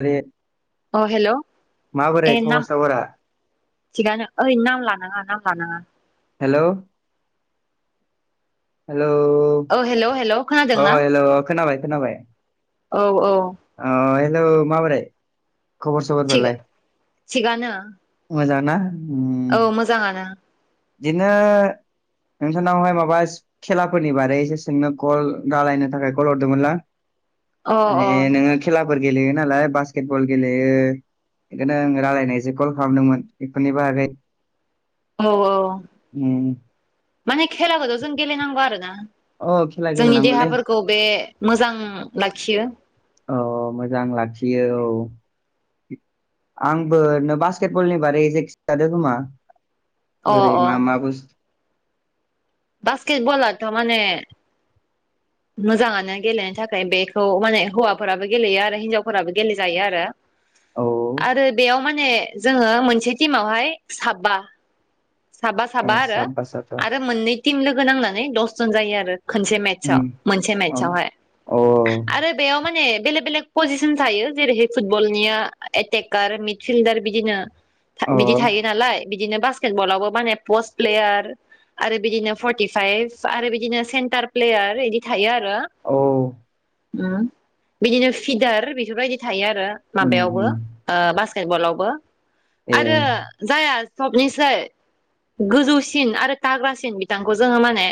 आरोे अ हेल' ए खबर नाम सबरा थिगानो ओइ नाम लानाङा नाम लानाङा। हेलौ। हेलौ औ हेल' हेल' औ खोनादोंना हेलौ खोनाबाय खोनाबाय। औ औ। आ हेलौ माबोरै? खबर थिग सबरफोरलाय थिगानो [inaudible] मोजां। ना उम औ मोजाङानो। बिदिनो नोंथांनावहाय माबा खेलाफोरनि बारै एसे सोंनो कल रालायनो थाखाय कल हरदोंमोनलां। अ अ माने नोङो खेलाफोर गेलेयो नालाय बास्केट बल गेलेयो। बेखायनो आं रायलायनायसो कल खालामदोंमोन बेफोरनि बागै औ औ उम माने खेलाखौथ' जों गेलेनांगौ आरोना। अ खेला जोंनि गेलेनांगौलै देहाफोरखौ बे मोजां लाखियो। औ मोजां लाखियो औ। आंबो नों बास्केटबलनि बारै जे खिथादों खोमा। अ बोरै मा मा बस बासकेट बालआथ' माने [inaudible] मोजाङानो गेलेनो थाखाय बेखौ माने हौवाफोराबो गेलेयो आरो हिनजावफोराबो गेलेजायो आरो। औ आरो बेयाव माने जोङो मोनसे टिमावहाय साबबा साबा साबा ए आरो साथा आरो मोननै टिम लोगो नांनानै दसजन जायो आरो। खनसे उम मेट्सआव मोनसे अ मेट्सआवहाय आरो अ बेयाव माने बेलेग बेलेग पजिसन थायो जेरैहाय फुटबलनिया एटेकार मिड फिल्दार बिदिनो। बिदि थायो नालाय बिदिनो बास्केट बलावबो माने पस् प्लेयार आरो बिदिनो फर्टिफाइभ आरो बिदिनो सेन्टार प्लेयार बिदि थायो आरो। औ ओ उम बिदिनो फिदार बेफोरबायदि थायो आर ओ उम माबायावबो उम ओ बास्केट बलावबो ए आरो जाया सब लिस जाय गोजौसिन आरो थाग्रासिन बिथांखौ जोङो माने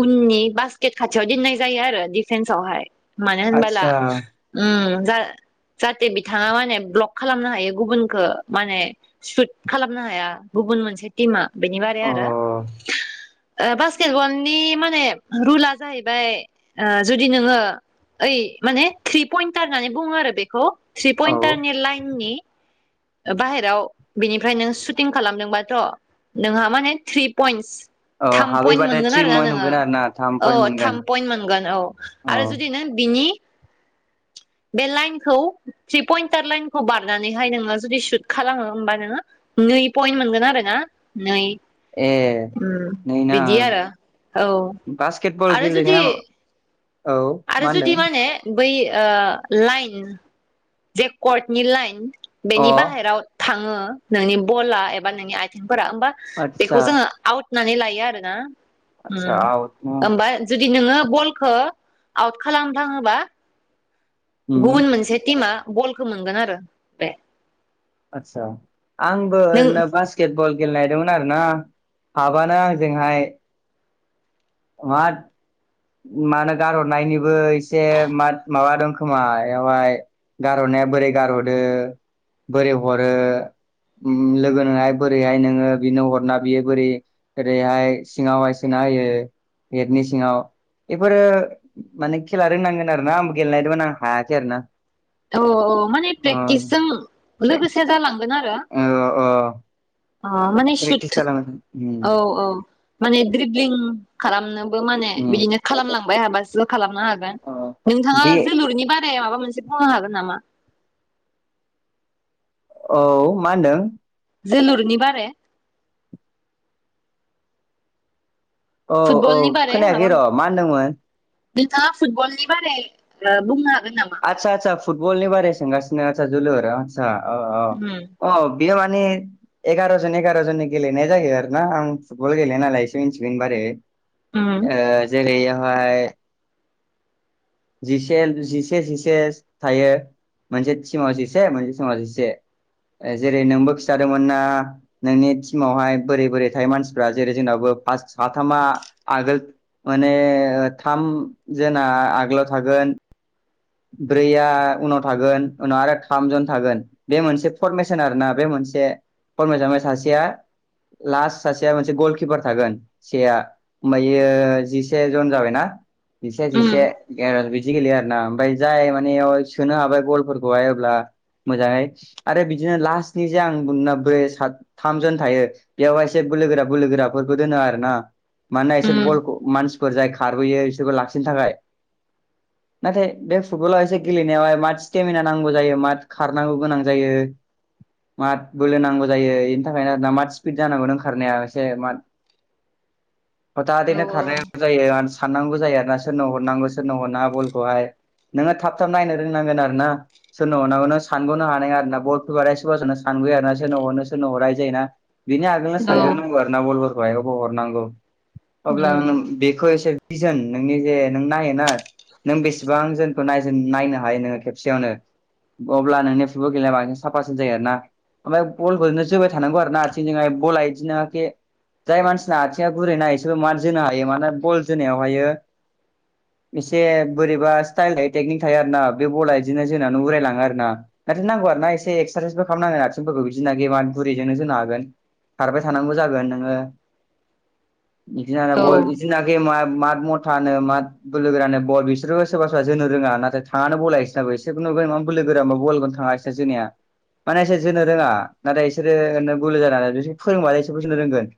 उननि बास्केट खाथियाव दोननाय जायो आरो डिफेन्सावहाय। मानो होनबाला आतसा उम जा जाहाथे बिथाङा माने ब्लक खालामनो हायो गुबुखो माने सुत खालामनो हाया गुबुन मोनसे टिमा बेनि बारै अ आरो। ओ बास्केटबलनि माने रुला जाहैबाय ओ जुदि नोङो ओइ माने थ्रि पइन्टार होननानै बुङो आरो बेखौ थ्रि औ पइन्टारनि लाइननि बाहेराव बिनिफ्राय नों सुटिं खालामदोंबाथ' नोंहा माने थ्रि पइन्टस थाम पइन्ट हाबहैबाथाय मोनगोन थ्रि पइन्ट आरोना नोङो, मोनगोन आरो ना थाम औ पइन्ट मोनगोन थाम पइन्ट मोनगोन औ औ आरो जुदि नों बिनि [inaudible] बे लाइनखौ थ्रि पइन्टार लाइनखौ बारनानैहाय नोङो जुदि सुट खालामो होमबा नोङो नै पइन्ट मोनगोन आरो ना नै। ए उम नै ना बिदि आरो। औ बास्केट बल आरो जुदि गेलेनाया औ आरो मा जुदि होनदों माने बै ओ लाइन जे कर्टनि लाइन बेनि अ बाहेराव थाङो नोंनि बला एबा नोंनि आइथिं फोरा होमबा आतसा बेखौ जोङो आउट होन्नानै लायो आरोना। आतसा उम आउट न ओमफ्राय जु दि नोङो बलखो आउट खालामफ्लाङोबा उम गुबुन मोनसे टिमा बलखो मोनगोन आरो बे आतसा आंबो नों ओरैनो बास्केटबल गेलेनायदोंंमोन आरोना हाबानो आंजोंहाय [unintelligible] मानो गारहरनायनिबो एसे माद- माबा दं खोमा एयावहाय गारहरनाया बोरै, गारहदो बोरै हरो। लोगो नोहाय बोरैहाय नोङो बिनो हरना बियो बोरै ओरैहाय सिङाव [unintelligible] नायो नेटनि सिङाव बेफोरो माने खेला रोंनांगोन आरो ना आंबो गेलेनायदोंमोन आं हायाखै आरोना। अ माने प्रेक्टिसजों लोगोसे जालांगोन आरो अ अ माने प्रेक्टिस सुध। खालाम औ औ। माने द्रिब्लिं खालामनोबो माने बिदिनो खालामलांबाय हाबासो खालामनो हागोन, नोंथाङा बे जोलुरनि बारै माबा मोनसे बुंनो हागोन नामा? औ मा होनदों? जोलुरनि बारे? औ औ फुटबलनि बारे माबा खोनायाखै र' मा होनदोंमोन? नोंथाङा फुटबलनि बारै ओ बुंनो हागोन नामा? आदसा आदसा फुटबलनि बारै सोंगासिनो आसा जोलुर आदसा औ उम औ अ। बियो माने एगार' जन एगार' जनै गेलेनाय जायो आरो ना आं फुटबल गेलेया नालाय एसे [unintelligible] बारै उम ओ जेरै हाय जिसे जिसे जिसे थायो मोनसे टिमाव जिसे मोनसे टिमाव जिसे। जेरै नोंबो खिथादोंमोन ना नोंनि टिमावहाय बोरै बोरै थायो मानसिफ्रा जेरै जोंनावबो फास साथामा आगोल माने थाम जोना आगोलाव थागोन ब्रैया उनाव थागोन उनाव आरो थामजन थागोन बे मोनसे फरमेसन आरोना बे मोन से [unintelligible] सासेया लास्ट सासेया मोनसे गलकिपार थागोन सेआ ओमाफायो जिसे जन जाबायना? जिसे जिसे उम बिदि गेलेयो आरोना ओमफाय जाय माने इयाव सोनो हाबाय गलफोरखौहाय अब्ला मोजाङै आरो बिदिनो लास्टनि जे आं बुंदोंना बै साथामजन थायो बेयावहाय इसे बोलोगोरा बोलोगोराफोरखौ दोनो आरोना। मानोना इसोर उम बलखौ मानसिफोर जाय खारबोयो इसोरखौ लाखिनो थाखाय। नाथाय बे फुटबलाव एसे गेलेनायावहाय माथ स्टेमिना नांगौ जायो माथ खारनांगौ गोनां जायो। माथ बोलो नांगौ जायो इनि थाखायनो दा माथ स्पिद जानांगौ नों खारनाया एसे माथ [inaudible] औ हरथादैनो खारनांगौ जायो आरो साननांगौ जायो आरोना सोरनो हरनांगौ सोरनो हरनाङा बलखौहाय नोङो थाब थाब नायनो रोंनांगोन आरोना। सोरनो हरनांगौ नों सानग'नो हानाय नङा आरोना बल फैबाथाय [unintelligible] सानग्रोयो आरो ना सोरनो हरनो सोरनो हरा इदि जायो ना बिनि आगोलनो औ सानग्रोनांगौ आरो ना बलफोरखौ हाय आबाव हरनांगौ उम अब्ला आं बे खौ एसे भिजन नोंनि जे नों नायोना नों बेसे बां जोनखौ नायनो हायो नोङो खेबसेयावनो अब्ला नोंनि फुटबल गेलेनाया बांसिन साफासिन जायो आरोना ओमफाय बलखौनो जोबाय थानांगौ आरो ना आथिंजोंहाय बला इदिनो एखे जाय मानसिना आथिङा गुरैना इसोरबो मान जोनो हायो माने बल जोनायावहायो एसे बोरै बा स्थाइल थायो थिगनिक थायो आरोना बे बला इदिनो जोनानै उराय लाङो आरो ना थाथारनांगौ आरो ना एसे एख्स्रा खालामनांगोन आथिंफोरखौ बिदिनो गेमा गुरैजोंनो जोनो हागोन खारबाय थानांगौ जागोन नोङो [inaudible] इदिनोङानो औ बल उम इदिना गेमा मात मथानो माथ बोलोगोरानो बल बिसोरबो सोरबा सोरबा जोनो रोङा नाथाय थाङानो बला इसिनाबो एसेबो नुबाय थानाय मा बोलो गोराबा बलखोनो थाङा इस जोनाया माने इसोर जोनो रोङा नाथाय इसोरो ओरैनो लोगो जानानै बिसोर फोरोंबाथाय इसोरबो जोनो रोंगोन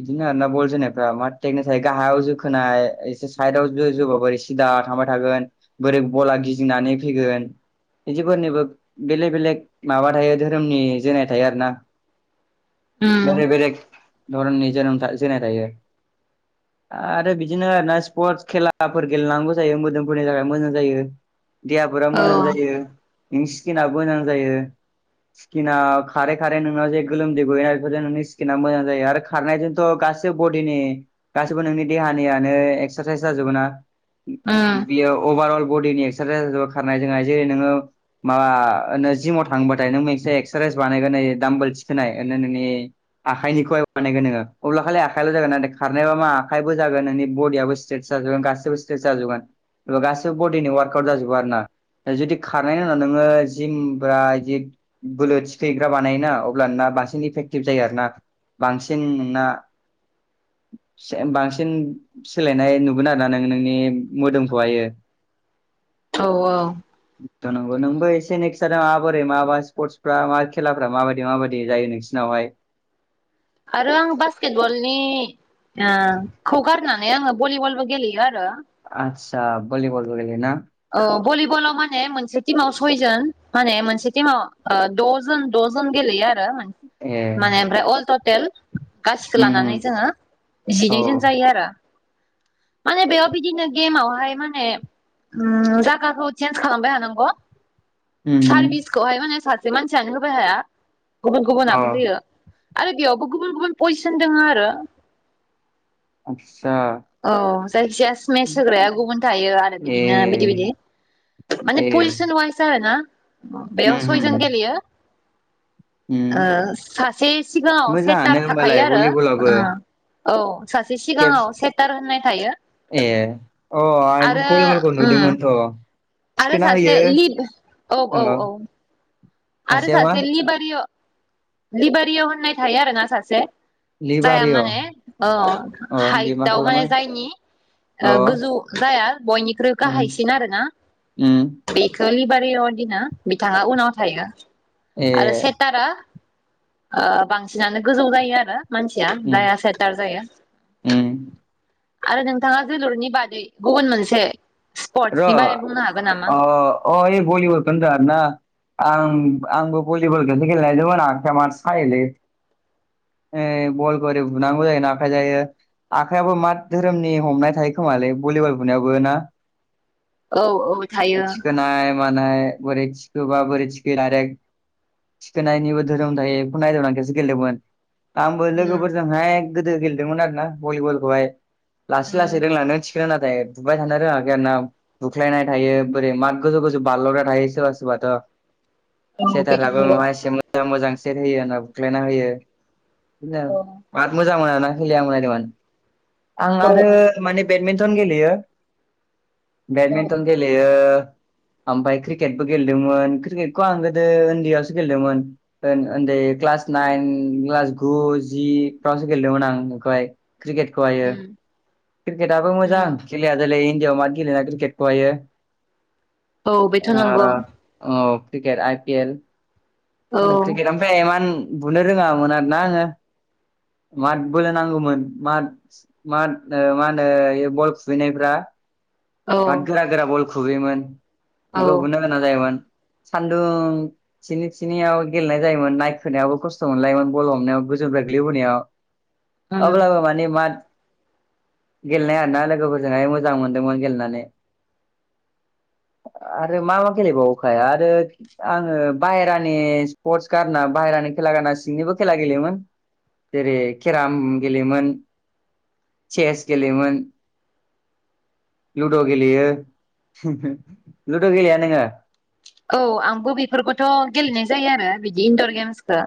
इदिनो आरोना बल जोनायफ्रा मार टेकनिख थायो गाहायाव जोखोनाय एसे साइदआव जो जोबा बोरै सिदा हाबबाय थागोन बोरै बला गिदिंनानै फैगोन इदिफोरनिबो बेलेग बेलेग माबा थायो धोरोमनि जेनाय थायो आरो ना बेलेग बेलेग धरननि जोनोम जोनाय थायो आरो बिदिनो आरो ना स्पर्टस खेलाफोर गेलेनांगौ जायो मोदोमफोरनि थाखाय मोजां जायो देहाफोरा औ मोजां जायो नोंनि स्किनाबो मोजां जायो स्किना खारै खारै नोंनाव जे गोलोमदै गनाय बेफोरजों नोंनि स्किना मोजां जायो आरो खारनायजोंथ' गासै बडिनि गाससिबो नोंनि देहानियानो एक्सारसाइस जाजोबो ना उम बिदियाव अभारअल बडिनि एक्सारसाइसार खारनाय जोंहाय जेरै नोङो माबा नो जिमाव थांङोबाथाय नों इसे एक्सारसाइस बानायगोन दायो दाम्बोल थिखोनाय [unintelligible] नोंनि आखाइनिखौहाय बानायगोन नोङ अब्ला खालाय आखाइल' जागोन खारनायबा मा आखाइबो जागोन नोंनि बडियबो स्ट्रेट जाजोबगोन गाससिबो स्ट्रेट जाजोबोगोन गासिबो बडिनि वार्कआउट जाजोबो आरो ना जुदि खारनायनि उनाव नोङो जिम ब्रा बिदि बोलो थिखैग्रा बानायोना अब्ला ना बांसिन इफेकटिभ जायो आरोना बांसिन नोंना बांसिन सोलायनाय नुगोन आरोना नोङो नोंनि मोदोमखौहायो ओव औ थ नोंगौ नोंबो एसे ने खिादों माबोरै माबा स्पर्टसफ्रा मा खेलाफ्रा माबादि माबादि जायो नोंसोरनावहाय [inaudible] आरो आं बासकेटबलनि ङो खौ गारनानै आङो भलिबलबो गेलेयो आरो दा बलिबल गेलेनो थां अ बलिलाव माने मोनसे थिमाव सयजोन माने मोनसे माव ओ द जोन द जोन गेल गेलेयो आरो ए माने ओमफ्राय अल टटेल गासिखो उम लानानै उम जोङो औ जिनैजोन जायो आरो माने बेयाव बिदिनो गेमावहाय माने उम जागाखौ चेन्ज खालामबाय थानांग' उम उम सारभिसखौहाय माने सासे मानसियानो होबाय हाया गुबुन अ गुबुनाबो होयो आरो बेयावबो गुबुन गुबुन पजिसन दङो आरो आरसा औ जायखिजाया सेन्च होग्राया गुबुन थायो आरो ए बिदिनो बिदि बिदि माने ए पजिसन वाइस आरोना बेयाव उम सयजोन उम गेलेयो उम ऐ सासे सिगाङाव मोजाङानो सेटार होमबालाय थाखायो आरो भलिबलाबो उं [inaudible] थायो ए अ आं आरो बयबलखौ उम नुदोंमोनथ' आरो थिखोना होयो सासे लिब अव अ औ औ आरो सासेया मा सासे लिबारिय' लिबारिय' होननाय थायो आरोना सासे जाया लिबारिअ माने अव अ बे मा हाइटआव खालामो माने जायनि अ ओ गोजौ जाया बयनिख्रुइ उम गाहायसिन आरो ना उम बे लिबारियाव दोनो बिथाङा उनाव थायो ए आरो सेटारा ओ बांसिनानो गोजौ जायो आरो मानसिया उम दाया सेटार जायो उम आरो नोंथाङा जोलुरनि बादै गुबुन मोनसे र स्पर्टसनि बारै बुंनो हागोन नामा अ अ ए बलिबलखो होनदो आरोना आं आंबो बलिबल खनसे गेले नायदोंमोन आखाया मासि सायोलै ए बलखो एरै बुनांगौ जायो ना ओंखायनो सायो आखाइयाबो मा धोरोमनि हमनाय थायो खोमालै भलिबल बुनायावबो ना औ औ थायो माने बोरै थिखोबा बोरै थिखो दायरेक थिखोनायनिबो धोरोम थायो बेखौ नायदोंमोन आं खेबसे गेलेदोंमोन आंबो उम लोगोफोरजोंहाय गोदो गेलेदोंमोन आरोना भलिबलखौहाय लासै लासै रोंलांदों थिखोनो नाथाय बुबाय थानो रोङाखै आरो ना बुख्लायनाय थायो बोरै माद गोजौ गोजौ बारलग्रा थायो सोरबा सोरबाथ' उम औ बे नंगौ [unintelligible] ओ मोजां सेट होयो होनना बुख्लायना होयो बिदिनो औ बाद मोजां मोनाना [unintelligible] आं औ आरो माने बेदमिन्टन गेलेयो औ बेडमिन्टन गेलयो ओमफाय क्रिकेटबो गेलेदोमोन क्रिकेटखौ आं गोदो ओन्दैयावसो गेलेदोंमोन ओन ओन्दै ए क्लास नाइन क्लास गु जि फ्रावसो गेलेदोंमोन आं ओमफाय क्रिकेटखौहायो उम क्रिकेटआबो मोजां उम खेलाया जोलै इण्डियाव मा गेलेला क्रिकेटखौहायो औ बेथ' ओ नंगौ औ क्रिकेट आइ पि एल औ [unintelligible] बुनो रोङामोन आरो ना आङो माथ बोलो नांगोमोन माथ माथ ओ मा होनो ए बे बल खुबैनायफ्रा औ माथ गोरा गोरा बल खुबैयोमोन औ बेखौ बुनो गोनां जायोमोन सान्दुं थिनि थिनियाव गेलेनाय जायोमोन नायखोनायावबो खस्थ' मोनलायोमोन बल हमनायाव गो गोजौनिफ्राय गोलै बोनायाव उम अब्लाबो माने माथ गेलेनाय आरोना लोगोफोरजोंहाय मोजां मोनदोंमोन गेलेनानै [inaudible] आरो मा मा गेलेबावोखाय आरो आङो बाहेरानि स्पर्टस गारना बाहेरा नि खेला गाना सिंनिबो खेला गेलेयोमोन जेरै केराम गेलेयोमोन चेस गेलेयोमोन लुद' गेलेयो लुद' गेलेया नोङो औ आंबो बेफोरखौथ' गेलेनाय जायो आरो बिदि इन्दर गेम्स ओ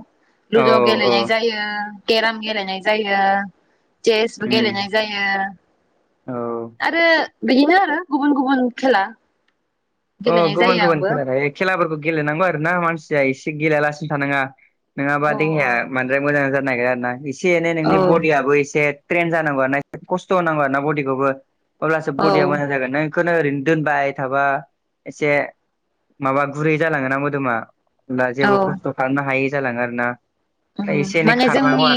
औ लुद' औ गेलेनाय जायो केराम गेलेनाय जायो चेसबो उम गेलेनाय जायो औ आरो बिदिनो आरो गुबुन गुबुन खेला अ गेलेनाय गुबुन जायो गुबुन आंबो खेला थायो खेलाफोरखौ गेलेनांगौ आरोना मानसिया एसे गेलेयालासिनो थानाङा नोङाबा औ देहाया बांद्राय मोजां जानो नागिरा आरो ना एसे एनै औ नोंनि बडियाबो एसे ट्रेन जानांगौ आर ना एसे खस्थ' होनांगौ आरो ना बडिखौबो अब्लासो औ बडिया मोजां जागोन नो खोनो ओरैनो दोनबाय थाबा एसे माबा गुरै जालाङो ना मोदोमा होनोमबा जेबो औ खस्थ' खालामनो हायै जालाङो आरोना माने जोंनि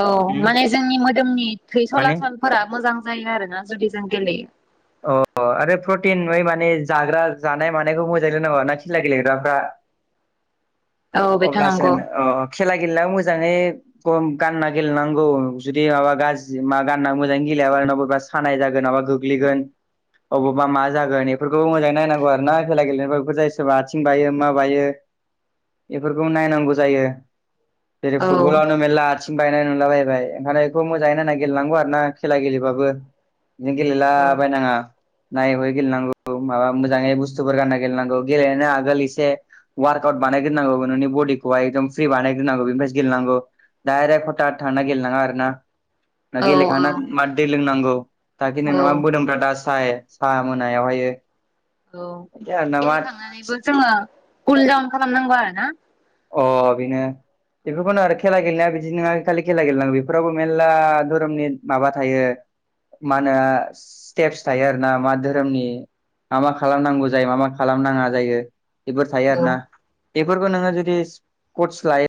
औ उम माने जोंनि मोदोमनि थै माने सलासलफोरा मोजां जायो आरोना जुदि जों गेलेयो अ आरो प्रटिन ओइ माने जाग्रा जानाय मानायखौ मोजाङै [unintelligible] ना खेला गेलेग्राफ्रा औ बेथ' अब्लासो नंगौ नो अ खेला गेलेनायाव मोजाङै खम गानना गेलेनांगौ जुदि माबा गाज्रि मा गानना मोजाङै गेलेयाबा बोरैबा सानाय जागोन ना बा गोग्लैगोन अबावबा मा जागोन एफोरखौबो मोजाङै नायनांगौ आरो ना खेला गेलेनाय बेफोर जायो सोरबा आथिं बायो मा बायो एफोरखौ नायनांगौ जायो जेरै औ फुटबलावनो मेरला आथिं बायनाय नुला बायबाय ओंखायनो बेखौ मोजाङै होनना गेलेनांगौ आरोना खेला गेलेबाबो नो गेलेला औ बायनाङा नायै हयै गेलेनांगौ माबा मोजाङै बुस्थुफोर गानना गेलेनांगौ गेलेनायनि आगोल एसे वारकट बानायग्रोनांगौ नोंनि बडिखौहाय एकदम फ्रि बानायग्रोनांगौ बेनिफ्रायसो गेलेनांगौ डाइरेक्ट हथात थांना गेलेनाङा आरो ना ना औ औ गेलेखांना मा दै लोंनांगौ जाहाथे औ नोंनाव मोदोम आसाय साहा मोनायावहायो औ बिदि आरो ना मा गेलेखांनानैबो जोङो कुल दाउन खालामनांगौ आरो ना अ बिनो बेफोरखौनो आरो खेला गेलेनाया बिदि नङा खालि खेला गेलेनांगौ बेफोरावबो मेलला धोरोमनि माबा थायो मा होनो स्टेपस थायो आरो ना मा धोरोमनि मा मा खालामनांगौ जायो मा मा खालामनाङा जायो बेफोर थायो आरो ना बेफोरखौ नोङो जुदिस कस्ट लायो